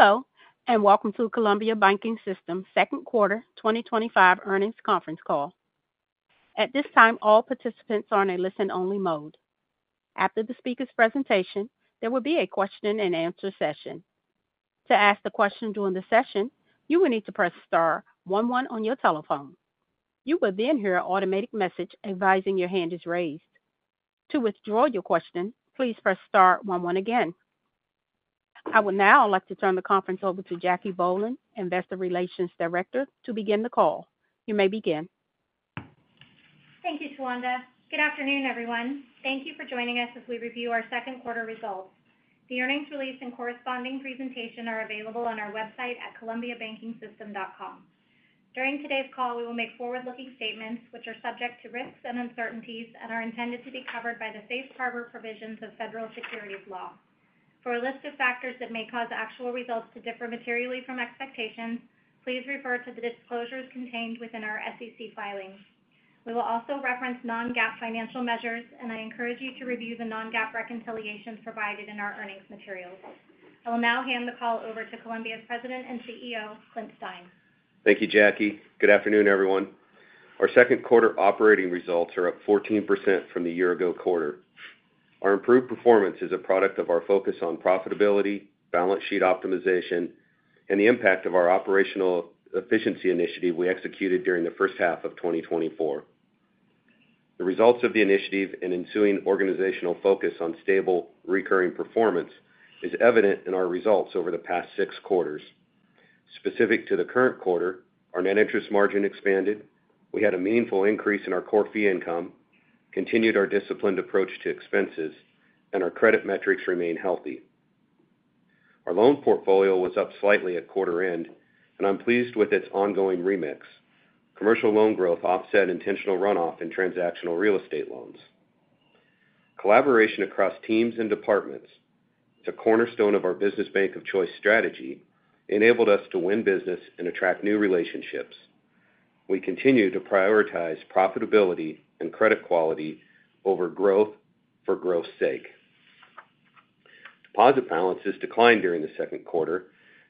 Hello, and welcome to Columbia Banking System Second Quarter twenty twenty five Earnings Conference Call. At this time, all participants are in a listen only mode. After the speakers' presentation, there will be a question and answer session. To ask the question during the session, you will need to press 11 on your telephone. You will then hear an automatic message advising your hand is raised. To withdraw your question, please press 11 again. I would now like to turn the conference over to Jackie Boland, Investor Relations Director, to begin the call. You may begin. Thank you, Towanda. Good afternoon, everyone. Thank you for joining us as we review our second quarter results. The earnings release and corresponding presentation are available on our website at columbiabankingsystem.com. During today's call, we will make forward looking statements, which are subject to risks and uncertainties and are intended to be covered by the Safe Harbor provisions of federal securities law. For a list of factors that may cause actual results to differ materially from expectations, please refer to the disclosures contained within our SEC filings. We will also reference non GAAP financial measures, and I encourage you to review the non GAAP reconciliations provided in our earnings materials. I will now hand the call over to Columbia's President and CEO, Clint Stein. Thank you, Jackie. Good afternoon, everyone. Our second quarter operating results are up 14% from the year ago quarter. Our improved performance is a product of our focus on profitability, balance sheet optimization and the impact of our operational efficiency initiative we executed during the first half of twenty twenty four. The results of the initiative and ensuing organizational focus on stable recurring performance is evident in our results over the past six quarters. Specific to the current quarter, our net interest margin expanded, we had a meaningful increase in our core fee income, continued our disciplined approach to expenses, and our credit metrics remain healthy. Our loan portfolio was up slightly at quarter end and I'm pleased with its ongoing remix. Commercial loan growth offset intentional runoff in transactional real estate loans. Collaboration across teams and departments, the cornerstone of our business bank of choice strategy, enabled us to win business and attract new relationships. We continue to prioritize profitability and credit quality over growth for growth's sake. Deposit balances declined during the second quarter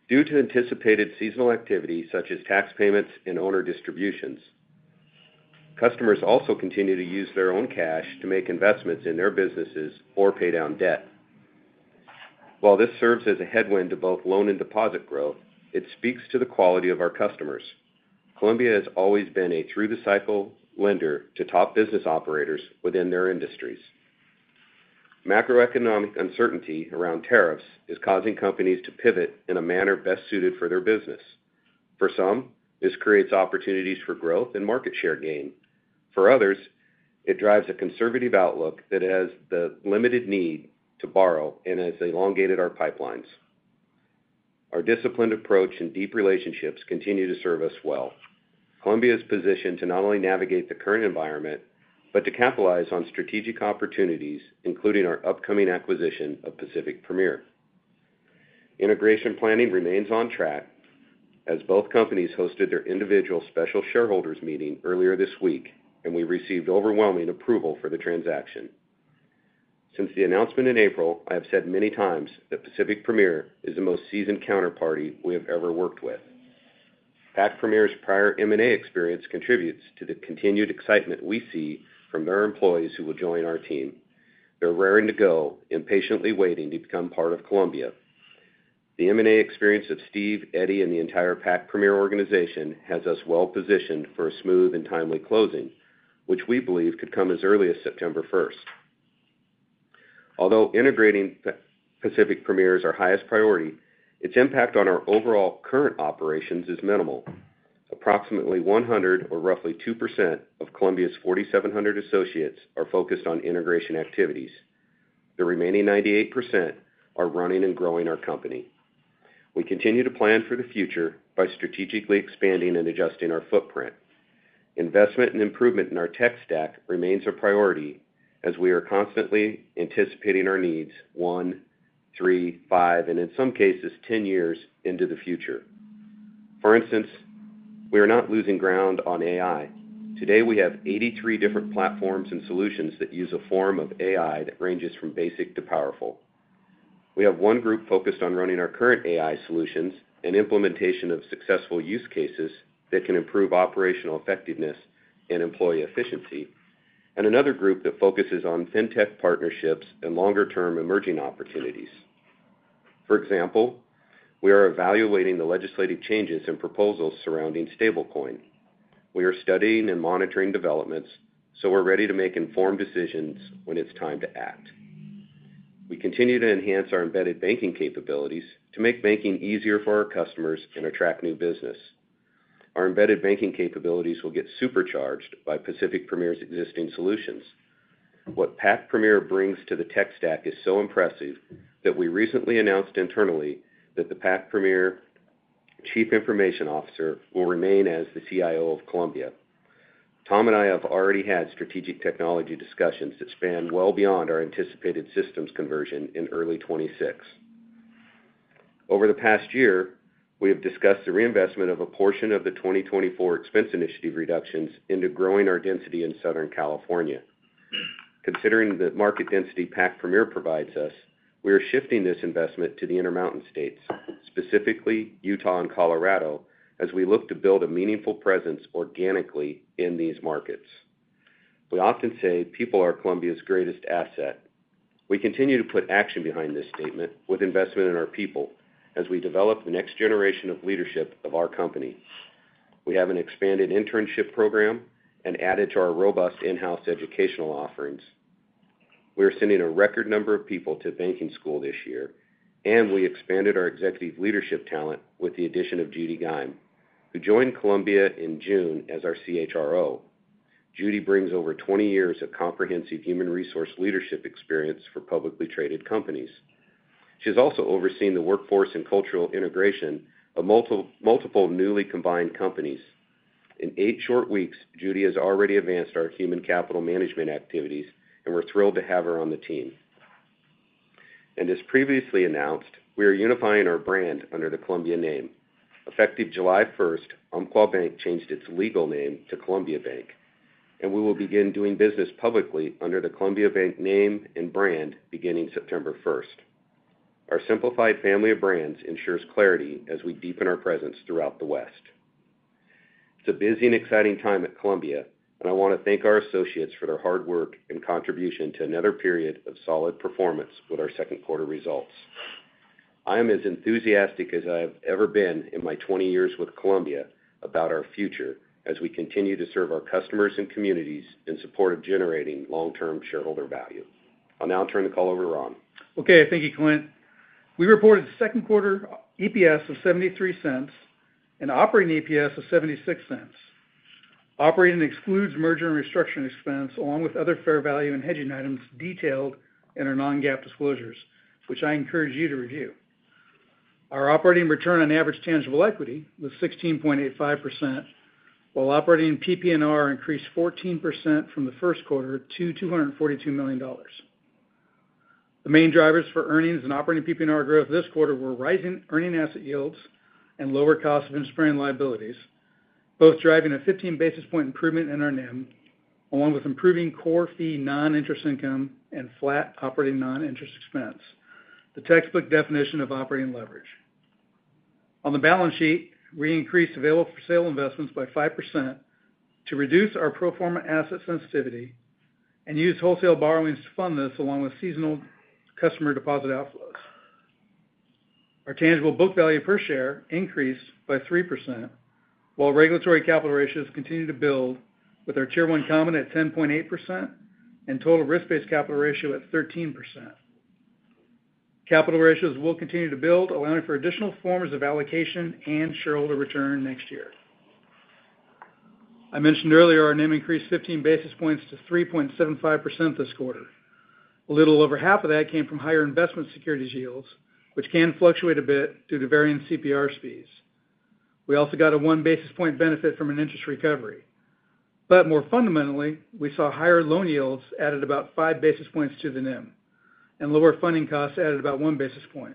due to anticipated seasonal activity such as tax payments and owner distributions. Customers also continue to use their own cash to make investments in their businesses or pay down debt. While this serves as a headwind to both loan and deposit growth, it speaks to the quality of our customers. Columbia has always been a through the cycle lender to top business operators within their industries. Macroeconomic uncertainty around tariffs is causing companies to pivot in a manner best suited for their business. For some, this creates opportunities for growth and market share gain. For others, it drives a conservative outlook that has the limited need to borrow and has elongated our pipelines. Our disciplined approach and deep relationships continue to serve us well. Columbia is positioned to not only navigate the current environment, but to capitalize on strategic opportunities, including our upcoming acquisition of Pacific Premier. Integration planning remains on track as both companies hosted their individual special shareholders meeting earlier this week and we received overwhelming approval for the transaction. Since the announcement in April, I have said many times that Pacific Premier is the most seasoned counterparty we have ever worked with. PAC Premier's prior M and A experience contributes to the continued excitement we see from their employees who will join our team. They're raring to go and patiently waiting to become part of Columbia. The M and A experience of Steve, Eddie, and the entire PAC Premier organization has us well positioned for a smooth and timely closing, which we believe could come as early as September 1. Although integrating Pacific Premier is our highest priority, its impact on our overall current operations is minimal. Approximately 100 or roughly 2% of Columbia's 4,700 associates are focused on integration activities. The remaining 98% are running and growing our company. We continue to plan for the future by strategically expanding and adjusting our footprint. Investment and improvement in our tech stack remains a priority as we are constantly anticipating our needs one, three, five, and in some cases ten years into the future. For instance, we are not losing ground on AI. Today we have 83 different platforms and solutions that use a form of AI that ranges from basic to powerful. We have one group focused on running our current AI solutions and implementation of successful use cases that can improve operational effectiveness and employee efficiency, and another group that focuses on fintech partnerships and longer term emerging opportunities. For example, we are evaluating the legislative changes and proposals surrounding stablecoin. We are studying and monitoring developments, so we're ready to make informed decisions when it's time to act. We continue to enhance our embedded banking capabilities to make banking easier for our customers and attract new business. Our embedded banking capabilities will get supercharged by Pacific Premier's existing solutions. What PAC Premier brings to the tech stack is so impressive that we recently announced internally that the PAC Premier Chief Information Officer will remain as the CIO of Columbia. Tom and I have already had strategic technology discussions that span well beyond our anticipated systems conversion in early twenty six. Over the past year, we have discussed the reinvestment of a portion of the 2024 expense initiative reductions into growing our density in Southern California. Considering the market density PAC Premier provides us, we are shifting this investment to the Intermountain States, specifically Utah and Colorado, as we look to build a meaningful presence organically in these markets. We often say people are Columbia's greatest asset. We continue to put action behind this statement with investment in our people as we develop the next generation of leadership of our company. We have an expanded internship program and added to our robust in house educational offerings. We are sending a record number of people to banking school this year and we expanded our executive leadership talent with the addition of Judy Gaim, who joined Columbia in June as our CHRO. Judy brings over twenty years of comprehensive human resource leadership experience for publicly traded companies. She's also overseeing the workforce and cultural integration of multiple newly combined companies. In eight short weeks, Judy has already advanced our human capital management activities, and we're thrilled to have her on the team. And as previously announced, we are unifying our brand under the Columbia name. Effective July 1, Umpqua Bank changed its legal name to Columbia Bank, and we will begin doing business publicly under the Columbia Bank name and brand beginning September 1. Our simplified family of brands ensures clarity as we deepen our presence throughout the West. It's a busy and exciting time at Columbia, and I want to thank our associates for their hard work and contribution to another period of solid performance with our second quarter results. I am as enthusiastic as I have ever been in my twenty years with Columbia about our future as we continue to serve our customers and communities in support of generating long term shareholder value. I'll now turn the call over to Ron. Okay. Thank you, Clint. We reported second quarter EPS of $0.73 and operating EPS of $0.76 Operating excludes merger and restructuring expense along with other fair value and hedging items detailed in our non GAAP disclosures, which I encourage you to review. Our operating return on average tangible equity was 16.85%, while operating PPNR increased 14% from the first quarter to $242,000,000 The main drivers for earnings and operating PPNR growth this quarter were rising earning asset yields and lower cost of interest bearing liabilities, both driving a 15 basis point improvement in our NIM, along with improving core fee non interest income and flat operating non interest expense, the textbook definition of operating leverage. On the balance sheet, we increased available for sale investments by 5% to reduce our pro form a asset sensitivity and use wholesale borrowings to fund this along with seasonal customer deposit outflows. Our tangible book value per share increased by 3%, while regulatory capital ratios continue to build with our Tier one common at 10.8% and total risk based capital ratio at 13%. Capital ratios will continue to build, allowing for additional forms of allocation and shareholder return next year. I mentioned earlier, our NIM increased 15 basis points to 3.75% this quarter. A little over half of that came from higher investment securities yields, which can fluctuate a bit due to varying CPR speeds. We also got a one basis point benefit from an interest recovery. But more fundamentally, we saw higher loan yields added about five basis points to the NIM and lower funding costs added about one basis point.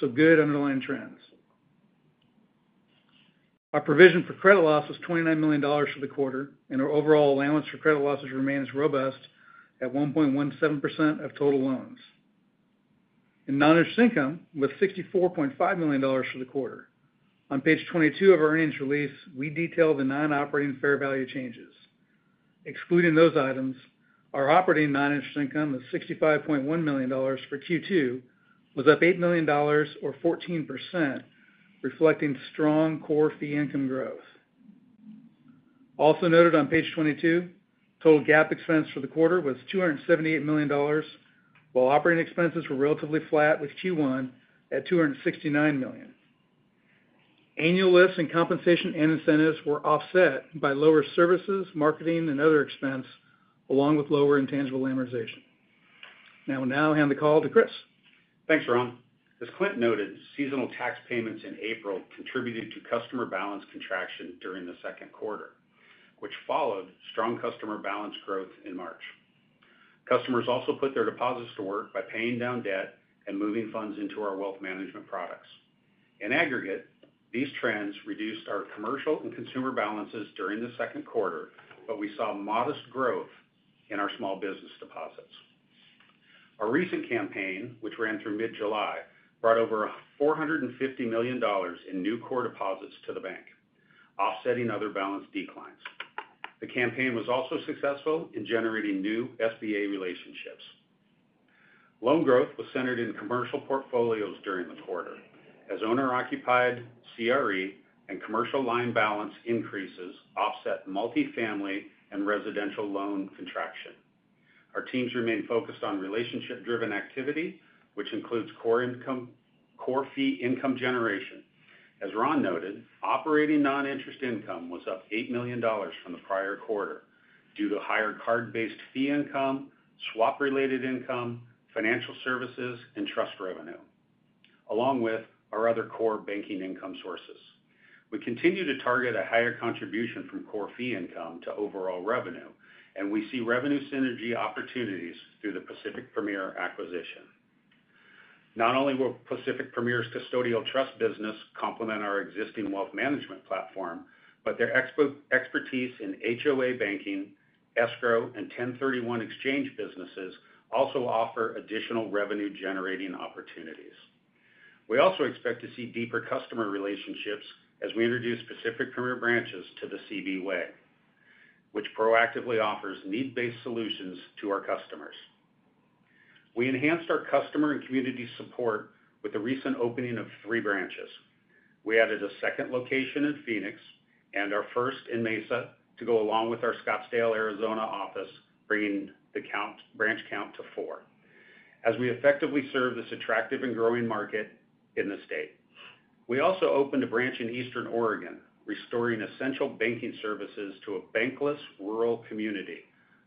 So good underlying trends. Our provision for credit loss was $29,000,000 for the quarter and our overall allowance for credit losses remains robust at 1.17% of total loans. Non interest income was $64,500,000 for the quarter. On page 22 of our earnings release, we detail the non operating fair value changes. Excluding those items, our operating non interest income of $65,100,000 for Q2 was up $8,000,000 or 14%, reflecting strong core fee income growth. Also noted on page 22, total GAAP expense for the quarter was $278,000,000 while operating expenses were relatively flat with Q1 at $269,000,000 Annual list and compensation and incentives were offset by lower services, marketing and other expense along with lower intangible amortization. Now I'll hand the call to Chris. Thanks Ron. As Clint noted, seasonal tax payments in April contributed to customer balance contraction during the second quarter, which followed strong customer balance growth in March. Customers also put their deposits to work by paying down debt and moving funds into our wealth management products. In aggregate, these trends reduced our commercial and consumer balances during the second quarter, but we saw modest growth in our small business deposits. Our recent campaign, which ran through mid July, brought over $450,000,000 in new core deposits to the bank, offsetting other balance declines. The campaign was also successful in generating new SBA relationships. Loan growth was centered in commercial portfolios during the quarter, as owner occupied CRE and commercial line balance increases offset multifamily and residential loan contraction. Our teams remain focused on relationship driven activity, which includes core fee income generation. As Ron noted, operating non interest income was up $8,000,000 from the prior quarter due to higher card based fee income, swap related income, financial services and trust revenue, along with our other core banking income sources. We continue to target a higher contribution from core fee income to overall revenue, And we see revenue synergy opportunities through the Pacific Premier acquisition. Not only will Pacific Premier's custodial trust business complement our existing wealth management platform, but their expertise in HOA banking, escrow and ten thirty one exchange businesses also offer additional revenue generating opportunities. We also expect to see deeper customer relationships as we introduce Pacific Premier branches to the CB way, which proactively offers need based solutions to our customers. We enhanced our customer and community support with the recent opening of three branches. We added a second location in Phoenix and our first in Mesa to go along with our Scottsdale, Arizona office, bringing the branch count to four. As we effectively serve this attractive and growing market in the state. We also opened a branch in Eastern Oregon, restoring essential banking services to a bankless rural community.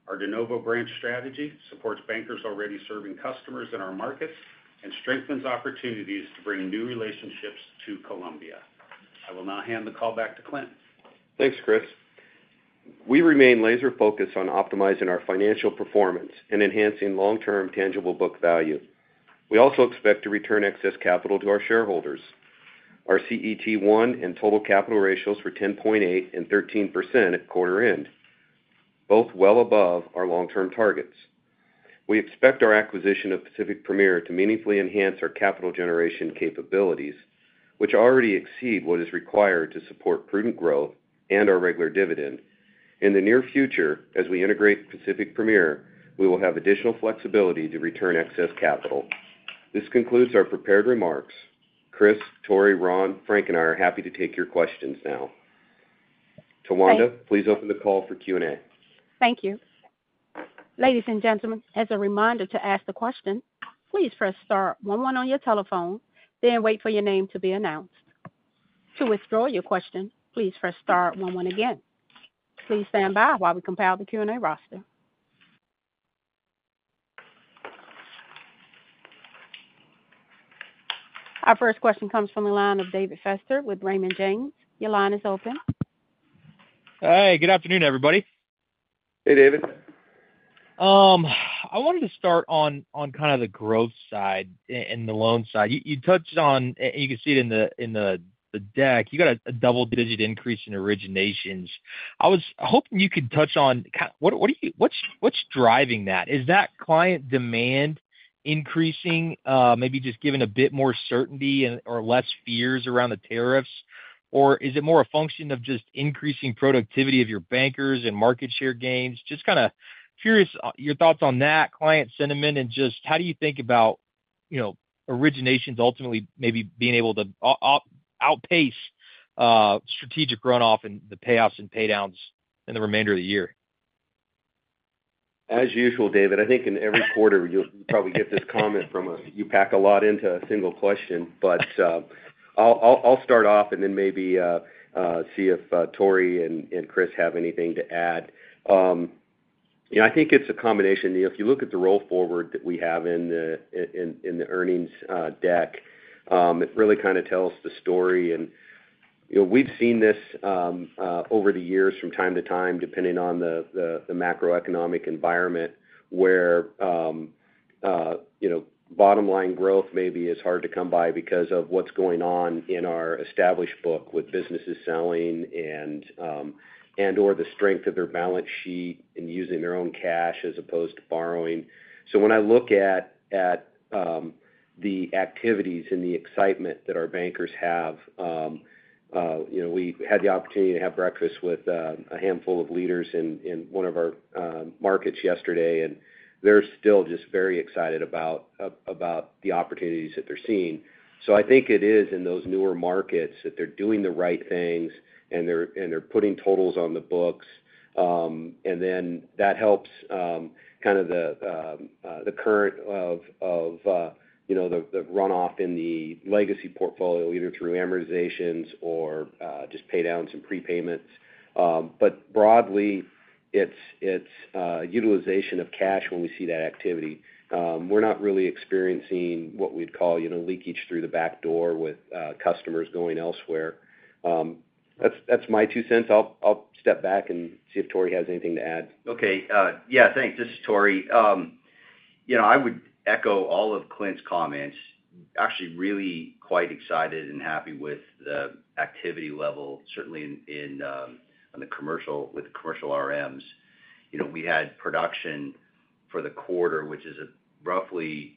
Our De Novo branch strategy supports bankers already serving customers in our markets and strengthens opportunities to bring new relationships to Columbia. I will now hand the call back to Clint. Thanks, Chris. We remain laser focused on optimizing our financial performance and enhancing long term tangible book value. We also expect to return excess capital to our shareholders. Our CET1 and total capital ratios were 10.813% at quarter end, both well above our long term targets. We expect our acquisition of Pacific Premier to meaningfully enhance our capital generation capabilities, which already exceed what is required to support prudent growth and our regular dividend. In the near future, as we integrate Pacific Premier, we will have additional flexibility to return excess capital. This concludes our prepared remarks. Chris, Tory, Ron, Frank and I are happy to take your questions now. Tawanda, please open the call for Q and A. Thank you. Our first question comes from the line of David Fester with Raymond James. Your line is open. Hi, good afternoon everybody. Hey David. I wanted to start on on kind of the growth side and the loan side. You you touched on you can see it in the in the the deck. You got a a double digit increase in originations. I was hoping you could touch on what what do you what's what's driving that? Is that client demand increasing, maybe just given a bit more certainty or less fears around the tariffs? Or is it more a function of just increasing productivity of your bankers and market share gains? Just kind of curious your thoughts on that client sentiment and just how do you think about, you know, originations ultimately maybe being able to outpace strategic runoff and the payoffs and pay downs in the remainder of the year. As usual, David, I think in every quarter you'll probably get this comment from us. You pack a lot into a single question, but I'll start off and then maybe see if Tory and Chris have anything to add. I think it's a combination. If you look at the roll forward that we have in the earnings deck, it really kind of tells the story and we've seen this over the years from time to time, depending on the macroeconomic environment where bottom line growth maybe is hard to come by because of what's going on in our established book with businesses selling and or the strength of their balance sheet and using their own cash as opposed to borrowing. So when I look at the activities and the excitement that our bankers have, We had the opportunity to have breakfast with a handful of leaders in one of our markets yesterday and they're still just very excited about the opportunities that they're seeing. So I think it is in those newer markets that they're doing the right things and they're putting totals on the books. And then that helps kind of the current of the runoff in the legacy portfolio either through amortizations or just pay downs and prepayments. But broadly, it's utilization of cash when we see that activity. We're not really experiencing what we'd call leakage through the back door with customers going elsewhere. That's my 2¢. I'll step back and see if Tore has anything to add. Okay. Yeah, thanks. This is Tore. I would echo all of Clint's comments, actually really quite excited and happy with the activity level, certainly in the commercial with commercial RMs. We had production for the quarter, which is roughly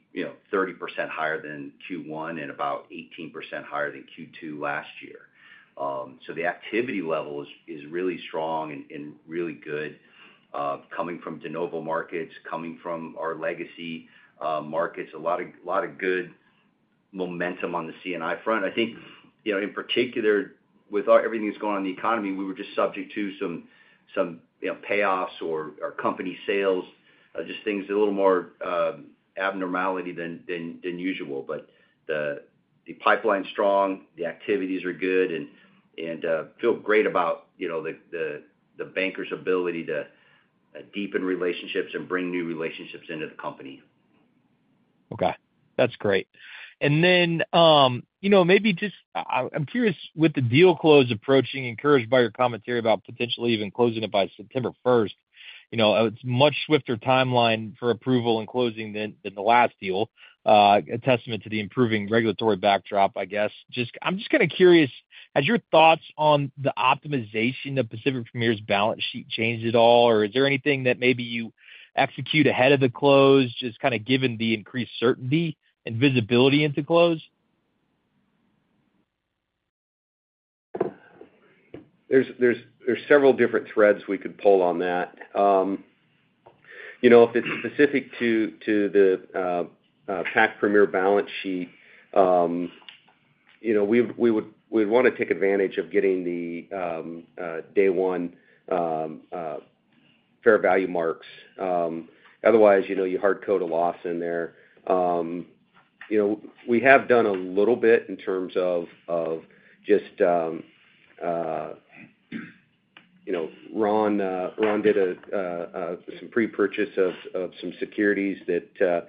30% higher than Q1 and about 18% higher than Q2 last year. So the activity level is really strong and really good coming from de novo markets, coming from our legacy markets. Lot of good momentum on the C and I front. I think in particular, with everything that's going on in the economy, were just subject to some payoffs or company sales, just things a little more abnormality than usual. But the pipeline's strong, the activities are good, feel great about the banker's ability to deepen relationships and bring new relationships into the company. Okay, that's great. And then, maybe just I'm curious with the deal close approaching, encouraged by your commentary about potentially even closing it by September 1. It's much swifter timeline for approval and closing than the last deal, a testament to the improving regulatory backdrop, I guess. I'm just kind of curious, has your thoughts on the optimization of Pacific Premier's balance Or is there anything that maybe you execute ahead of the close just kind of given the increased certainty and visibility into close? There's several different threads we could pull on that. If it's specific to PAC Premier balance sheet, we would wanna take advantage of getting the day one fair value marks. Otherwise, you hard code a loss in there. We have done a little bit in terms of just Ron did some pre purchase of some securities that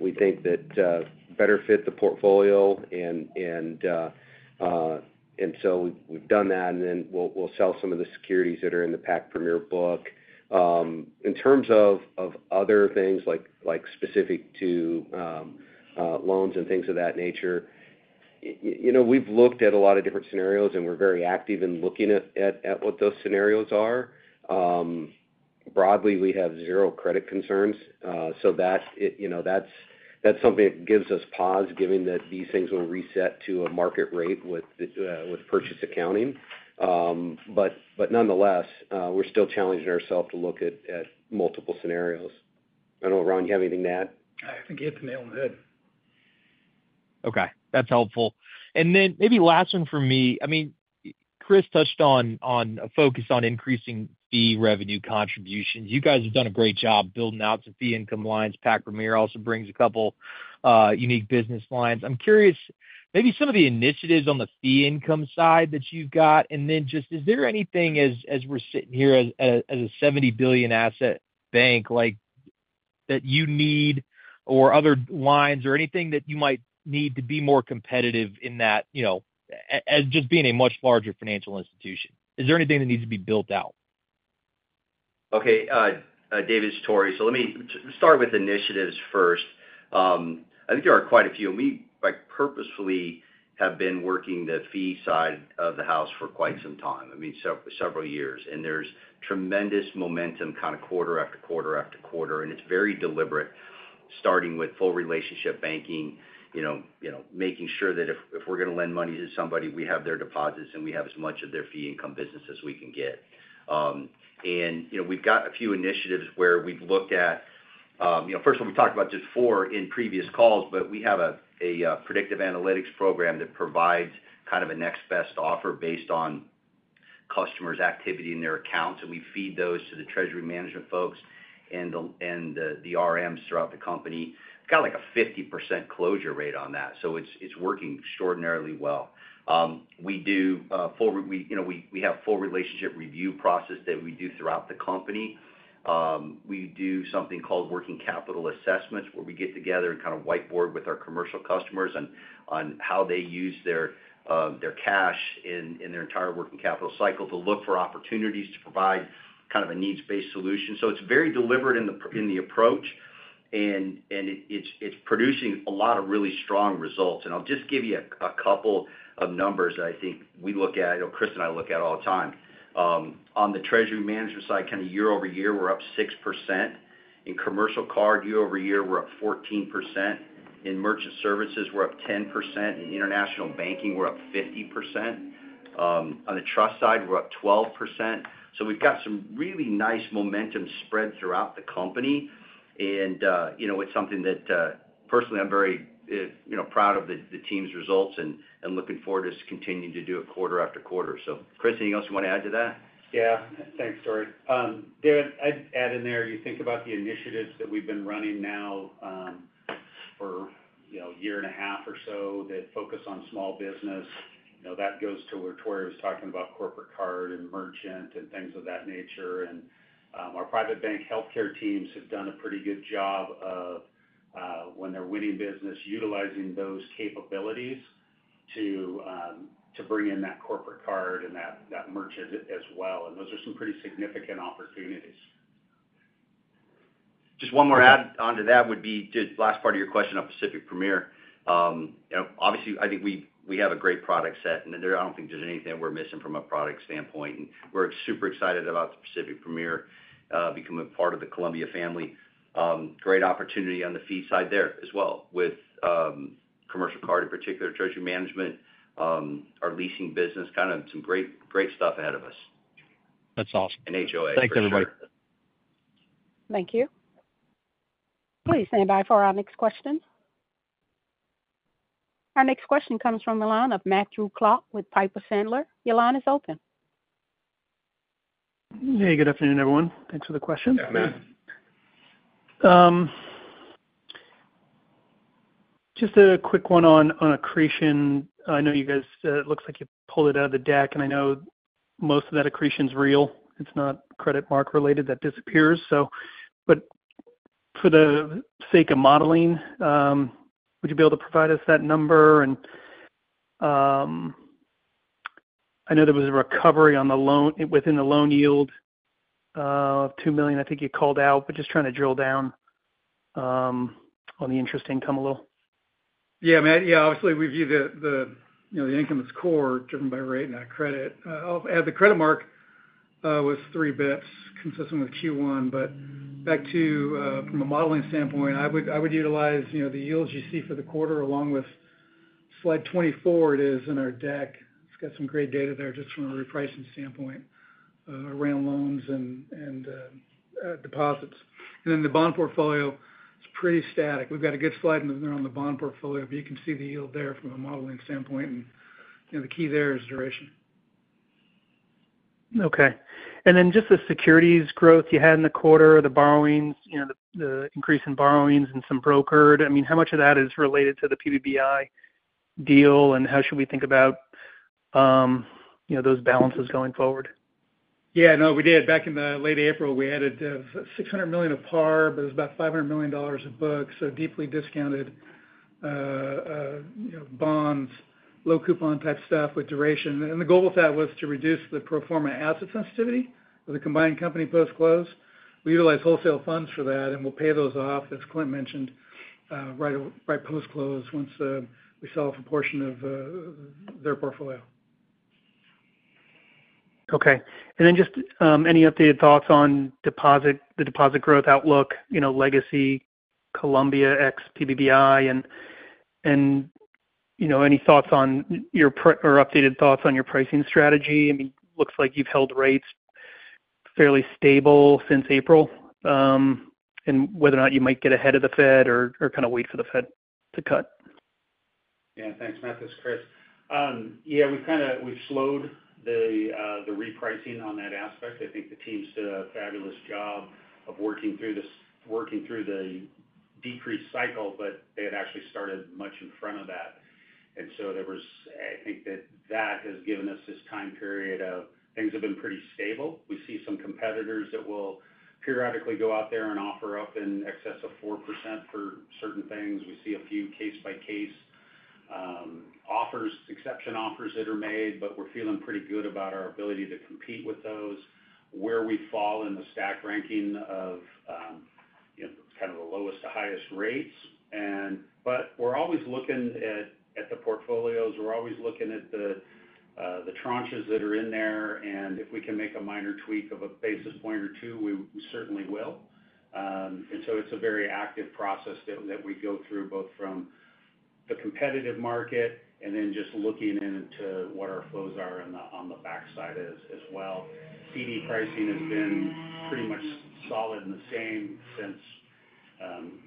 we think that better fit the portfolio. And so we've done that and then we'll sell some of the securities that are in the PAC Premier book. In terms of other things like specific to loans and things of that nature, we've looked at a lot of different scenarios and we're very active in looking at what those scenarios are. Broadly, we have zero credit concerns. So that's something that gives us pause given that these things will reset to a market rate with purchase accounting. Nonetheless, we're still challenging ourselves to look at multiple scenarios. Don't know, Ron, do you have anything to add? I think you hit the nail on the head. Okay, that's helpful. And then maybe last one for me. Chris touched on on focus on increasing fee revenue contributions. You guys have done a great job building out some fee income lines. Pac Premier also brings a couple, unique business lines. I'm curious maybe some of the initiatives on the fee income side And then just is there anything as as we're sitting here as as a 70,000,000,000 asset bank, like, that you need or other lines or anything that you might need to be more competitive in that, you know, as just being a much larger financial institution? Is there anything that needs to be built out? David, it's Tory. So let me start with initiatives first. I think there are quite a few. We purposefully have been working the fee side of the house for quite some time, several years. And there's tremendous momentum quarter after quarter after quarter. And it's very deliberate, starting with full relationship banking, making sure that if we're going to lend money to somebody, we have their deposits and we have as much of their fee income business as we can get. We've got a few initiatives where we've looked at first of we talked about just four in previous calls, but we have a predictive analytics program that provides kind of a next best offer based on customers' activity in their accounts. And we feed those to the treasury management folks and the RMs throughout the company. It's got like a 50% closure rate on that. So working extraordinarily well. Have full relationship review process that we do throughout the company. We do something called working capital assessments, where we get together and kind of whiteboard with our commercial customers on how they use their cash in their entire working capital cycle to look for opportunities to provide kind of a needs based solution. So it's very deliberate in approach and it's producing a lot of really strong results. And I'll just give you a couple of numbers I think we look at Chris and I look at all the time. On the treasury management side, of year over year, we're up 6% In commercial card year over year, we're up 14%. In merchant services, up 10%. In international banking, we're up 50%. On the trust side, we're up 12%. So we've got some really nice momentum spread throughout the company. And it's something that personally, I'm very proud of the team's results and looking forward to continuing to do it quarter after quarter. So Chris, anything else you want to add to that? Yeah. Thanks, Dore. David, I'd add in there. You think about the initiatives that we've been running now for a year and a half or so that focus on small business. That goes to where Tory was talking about corporate card and merchant and things of that nature. And our private bank health care teams have done a pretty good job of, when they're winning business, utilizing those capabilities to, to bring in that corporate card and that that merchant as well. And those are some pretty significant opportunities. Just one more add on to that would be just last part of your question of Pacific Premier. Obviously, think we we have a great product set and there I don't think there's anything we're missing from a product standpoint. And we're super excited about the Pacific Premier becoming part of the Columbia family. Great opportunity on the fee side there as well with commercial card in particular, treasury management, our leasing business, kind of some great stuff ahead of us. That's awesome. Thanks everybody. Thank you. Please stand by for our next question. Our next question comes from the line of Matthew Clark with Piper Sandler. Your line is open. Hey, good afternoon, everyone. Thanks for the question. Just a quick one on accretion. I know you guys it looks like you pulled it out of the deck, I know most of that accretion is real. It's not credit mark related that disappears. But for the sake of modeling, would you be able to provide us that number? Know there was a recovery on the loan within the loan yield of $2,000,000 I think you called out, but just trying to drill down on the interest income a little. Yes, Matt. Yes, obviously we view income as core driven by rate and that credit. Add the credit mark was three bps consistent with Q1, but back to from a modeling standpoint, I would utilize the yields you see for the quarter along with slide 24 it is in our deck. It's got some great data there just from a repricing standpoint around loans and deposits. Then the bond portfolio is pretty static. We've got a good slide on the bond portfolio, but you can see the yield there from a model standpoint. The key there is duration. Okay. And then just the securities growth you had in the quarter, the borrowings, the increase in borrowings and some brokered. I mean, much of that is related to the PBBI deal and how should we think about those balances going forward? Yes, no, we did back in late April. We added $600,000,000 of par, but it was about $500,000,000 of books, so deeply discounted bonds, low coupon type stuff with duration. The goal with that was to reduce the pro form a asset sensitivity of the combined company post close. We utilize wholesale funds for that and we'll pay those off, as Clint mentioned, right post close once we sell off a portion of their portfolio. Okay. And then just any updated thoughts on deposit, the deposit growth outlook, legacy Columbia ex PBBI and any thoughts on your updated thoughts on your pricing strategy? I mean, it looks like you've held rates fairly stable since April and whether or not you might get ahead of the Fed or kind of wait for the Fed to cut? Yeah, thanks, Matt. This is Chris. Yeah, we've kind of we've slowed the repricing on that aspect. I think the teams did a fabulous job of working through this working through the decreased cycle, but they had actually started much in front of that. And so there was I think that that has given us this time period of things have been pretty stable. We see some competitors that will periodically go out there and offer up in excess of 4% for certain things. We see a few case by case, offers, exception offers that are made, but we're feeling pretty good about our ability to compete with those. Where we fall in the stack ranking of kind of the lowest to highest rates. And but we're always looking at the portfolios, we're always looking at the tranches that are in there. And if we can make a minor tweak of a basis point or two, we certainly will. And so it's a very active process that that we go through both from the competitive market and then just looking into what our flows are on the on the backside is as well. CD pricing has been pretty much solid and the same since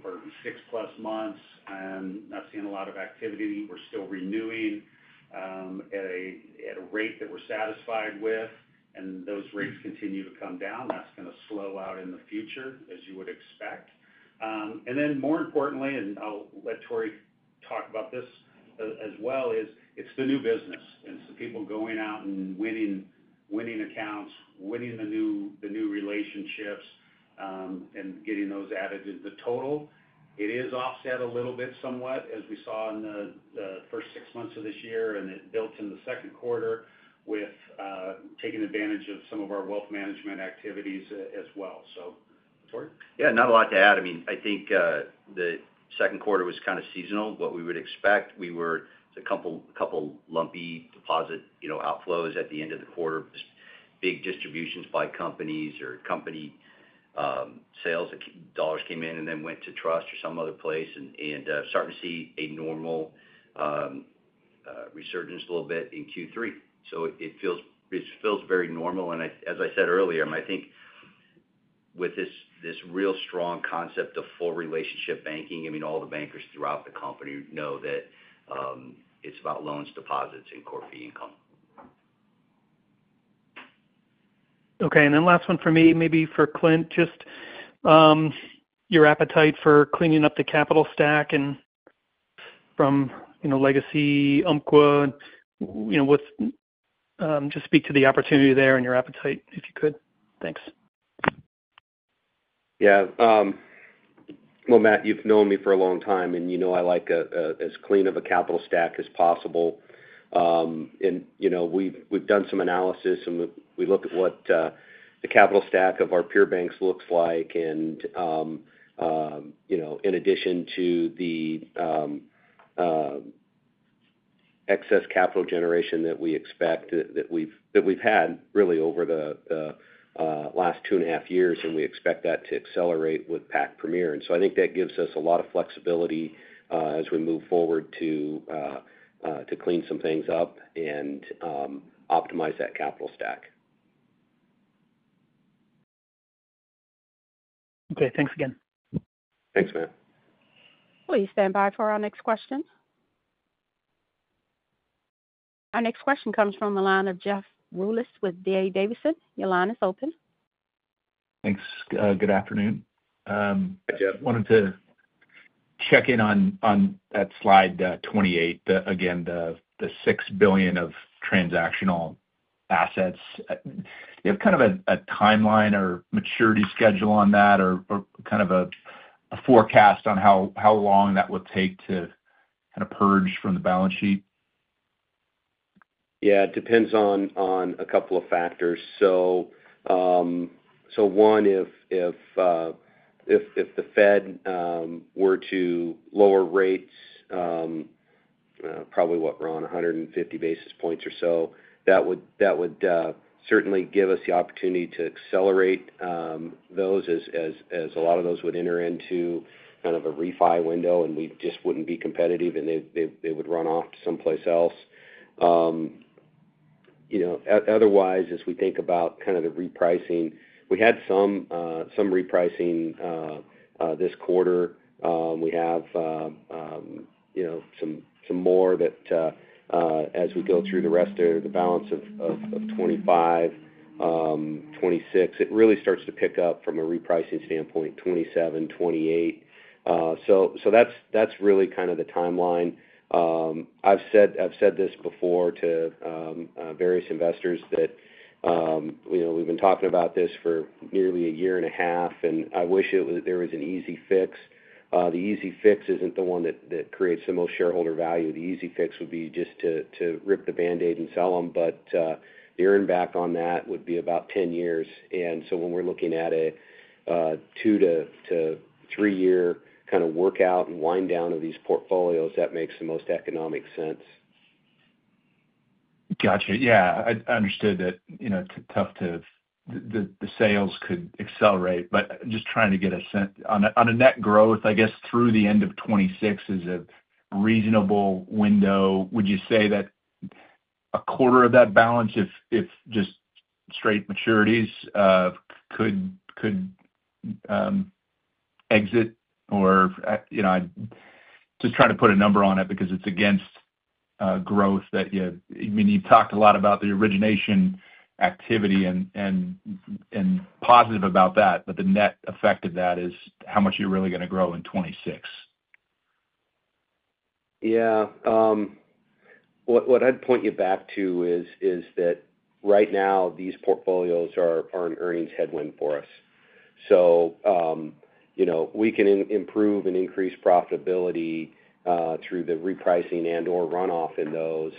for six plus months. I'm not seeing a lot of activity. We're still renewing at a a rate that we're satisfied with, and those rates continue to come down. That's gonna slow out in the future as you would expect. And then more importantly, and I'll let Tory talk about this as well is it's the new business. And so people going out and winning winning accounts, winning the new the new relationships, and getting those added to the total. It is offset a little bit somewhat as we saw in the first six months of this year and it built in the second quarter with taking advantage of some of our wealth management activities as well. So for Yeah, not a lot to add. I mean, I think the second quarter was kind of seasonal, what we would expect. We were a lumpy deposit outflows at the end of the quarter, big distributions by companies or company sales, dollars came in and then went to trust or some other place and starting to see a normal resurgence a little bit in Q3. So it feels very normal. As I said earlier, think with this real strong concept of full relationship banking, I mean, the bankers throughout the company know that, it's about loans, deposits and core fee income. Okay. And then last one for me, maybe for Clint. Just your appetite for cleaning up the capital stack and from legacy Umpqua, what's just speak to the opportunity there and your appetite if you could. Thanks. Yeah, well Matt, you've known me for a long time and you know I like as clean of a capital stack as possible. And we've done some analysis and we look at what the capital stack of our peer banks looks like and in addition to the excess capital generation that we expect that we've had really over the last two and a half years and we expect that to accelerate with PAC Premier. And so I think that gives us a lot of flexibility as we move forward to clean some things up and optimize that capital stack. Okay, thanks again. Thanks, Matt. Please stand by for our next question. Our next question comes from the line of Jeff Rulis with D. A. Davidson. I wanted to check-in on at Slide 28, again, the $6,000,000,000 of transactional assets, you have kind of a timeline or maturity schedule on that or kind of a forecast on how long that would take to kind of purge from the balance sheet? Yeah, it depends on a couple of factors. One, the Fed were to lower rates, probably what we're on 150 basis points or so, that would certainly give us the opportunity to accelerate those as a lot of those would enter into kind of a refi window and we just wouldn't be competitive and they would run off someplace else. Otherwise, as we think about kind of the repricing, we had some repricing this quarter. We have some more that as we go through the rest of the balance of 2526, it really starts to pick up from a repricing standpoint, 2728. So that's really kind of the timeline. I've said this before to various investors that we've been talking about this for nearly a year and a half and I wish there was an easy fix. The easy fix isn't the one that creates the most shareholder value. The easy fix would be just to rip the band aid and sell them, but the earn back on that would be about ten years and so when we're looking at a two to three year kind of workout and wind down of these portfolios that makes the most economic sense. Got you, yeah, I understood that, it's tough to the sales could accelerate, but just trying to get a sense on a net growth, I guess, through the '6 is a reasonable window. Would you say that a quarter of that balance, if just straight maturities, could exit or just trying to put a number on it because it's against growth that you talked a lot about the origination activity and positive about that. But the net effect of that is how much you're really gonna grow in '26. Yeah, what I'd point you back to is that right now these portfolios are an earnings headwind for us. So, we can improve and increase profitability through the repricing and or runoff in those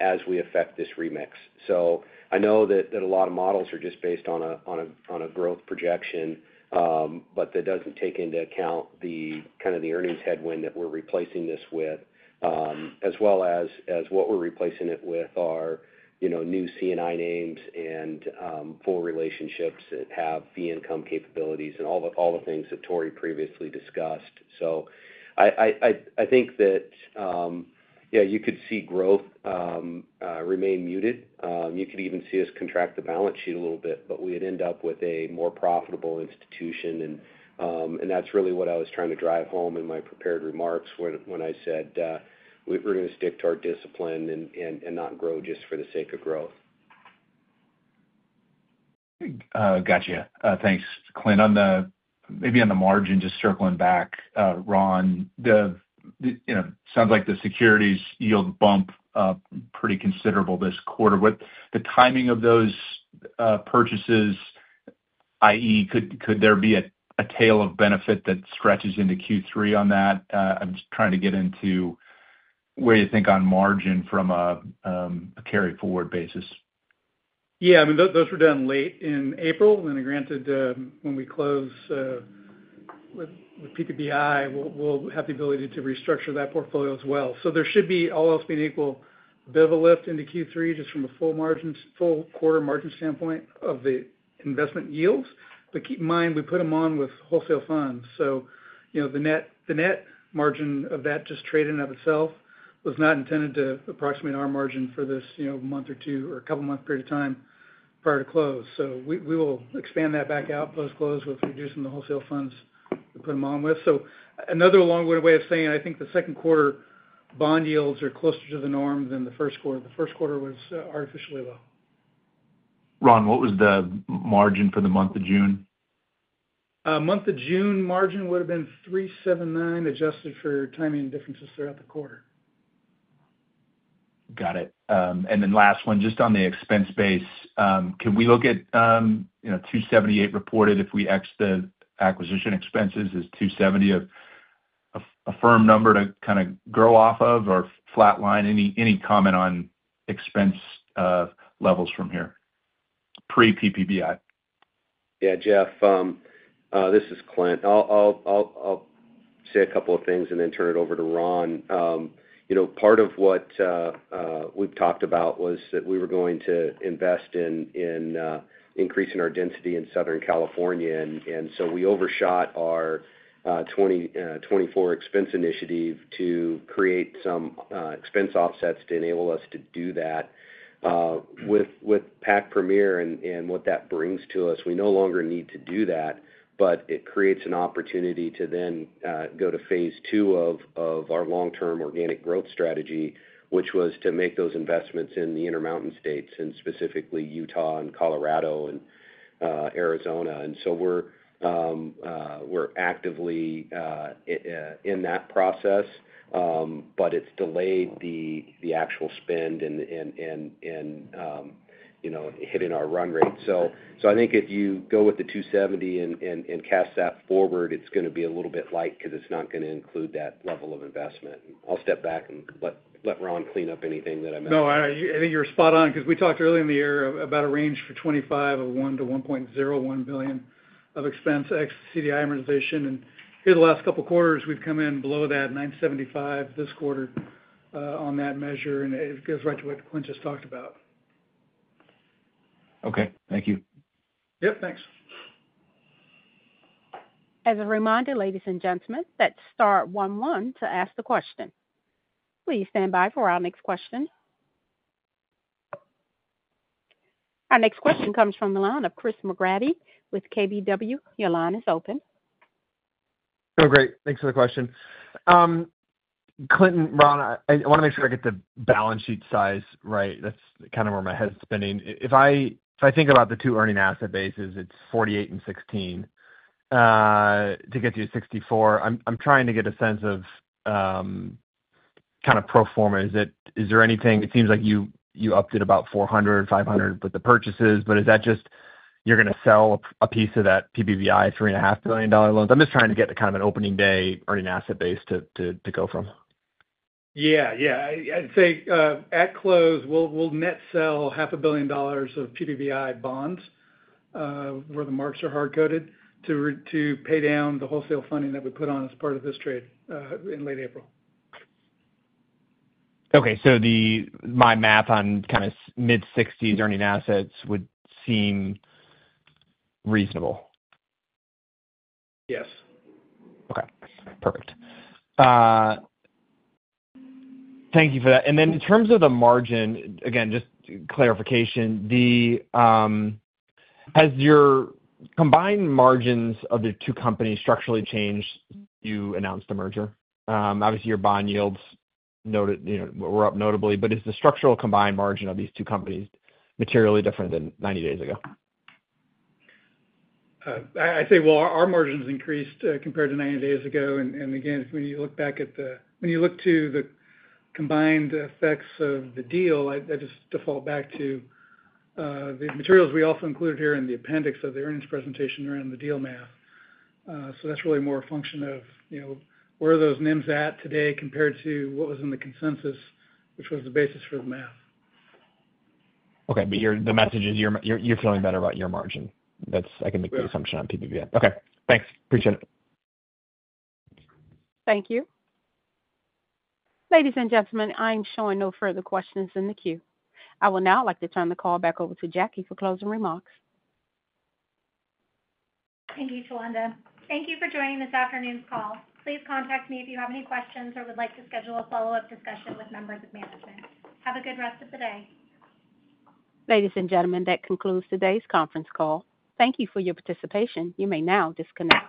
as we affect this remix. So, I know that a lot of models are just based on a growth projection, but that doesn't take into account the of the earnings headwind that we're replacing this with, as well as what we're replacing it with our new C and I names and full relationships that have fee income capabilities and all the things that Tory previously discussed. So, I think that, yeah, you could see growth remain muted. You could even see us contract the balance sheet a little bit, but we would end up with a more profitable institution and that's really what I was trying to drive home in my prepared remarks when I said, we're going to stick to our discipline and not grow just for the sake of growth. Got you. Thanks, Clint. Maybe on the margin, just circling back, Ron, it sounds like the securities yield bump pretty considerable this quarter. What the timing of those purchases, I. E, could there be a tail of benefit that stretches into Q3 on that? I'm just trying to get into where you think on margin from a carry forward basis. Yes. I mean, those were done late in April. And granted, when we close PPBI, we'll have the ability to restructure that portfolio as well. So there should be, all else being equal, bit of a lift into Q3 just from a full quarter margin standpoint of the investment yields. But keep in mind, we put them on with wholesale funds. So the net margin of that just trade in and of itself was not intended to approximate our margin for this month or two or a couple of month period of time prior to close. So we will expand that back out post close with reducing the wholesale funds to put them on with. So another long way of saying, I think the second quarter bond yields are closer to the norm than the first quarter. The first quarter was artificially low. Ron, what was the margin for the month of June? Month of June margin would have been 3.79 adjusted for timing differences throughout the quarter. Got it. And then last one, just on the expense base. Can we look at $2.78 reported if we exit acquisition expenses is $2.70 a firm number to kind of grow off of or flat line? Any comment on expense levels from here pre PPBI? Yeah, Jeff, this is Clint. I'll say a couple of things and then turn it over to Ron. Part of what we've talked about was that we were going to invest in increasing our density in Southern California. So we overshot our 2024 expense initiative to create some expense offsets to enable us to do that. With PAC Premier and what that brings to us, we no longer need to do that, but it creates an opportunity to then go to phase two of our long term organic growth strategy, which was to make those investments in the Intermountain States and specifically Utah and Colorado and Arizona. And so we're actively in that process, but it's delayed the actual spend and hitting our run rate. I think if you go with the $270,000,000 and cast that forward, it's going to be a little bit light because it's not going to include that level of investment. I'll step back and let Ron clean up anything that I missed. No, I think you're spot on because we talked earlier in the year about a range 25 of 1,000,000,000 to $1,010,000,000 of expense ex CDI amortization. In the last couple of quarters, we've come in below that $9.75 this quarter on that measure and it goes right to what Clint just talked about. Okay, thank you. Yep, thanks. Our next question comes from the line of Chris McGratty with KBW. Clint and Ron, I want to make sure I get the balance sheet size right. That's kind of where my head is spinning. If I think about the two earning asset bases, it's 48 and 16 to get you to 64. I'm trying to get a sense of kind of pro form a. Is there anything it seems like you updated about $400.500 dollars with the purchases, but is that just you're going to sell a piece of that PPBI $3,500,000,000 loans? I'm just trying to get to kind of an opening day earning asset base to go from. Yes. I'd say at close, we'll net sell $500,000,000 of PDVI bonds where the marks are hard coded to pay down the wholesale funding that we put on as part of this trade in late April. Okay, so the my math on kind of mid 60s earning assets would seem reasonable. Yes. Okay, perfect. Thank you for that. And then in terms of the margin, again, just clarification, the has your combined margins of the two companies structurally changed? You announced the merger. Obviously, bond yields noted were up notably, but it's the structural combined margin of these two companies materially different than ninety days ago. I'd say, well, our margins increased compared to ninety days ago. And again, when you look back at the when you look to the combined effects of the deal, just default back to the materials we also included here in the appendix of the earnings presentation around the deal map. So that's really more a function of where are those NIMs at today compared to what was in the consensus, which was the basis for the math. Okay. But the message is you're feeling better about your margin. That's I can make the Okay. Assumption on Thanks. Appreciate it. Thank you. Ladies and gentlemen, I am showing no further questions in the queue. I would now like to turn the call back over to Jackie for closing remarks. Thank you, Talanda. Thank you for joining this afternoon's call. Please contact me if you have any questions or would like to schedule a follow-up discussion with members of management. Have a good rest of the day. Ladies and gentlemen, that concludes today's conference call. Thank you for your participation. You may now disconnect.